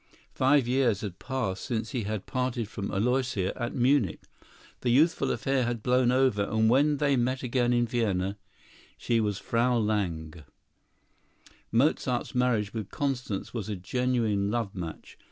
Five years had passed since he had parted from Aloysia at Munich. The youthful affair had blown over; and when they met again in Vienna she was Frau Lange. Mozart's marriage with Constance was a genuine love match.